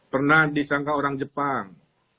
pernah disangka orang jepang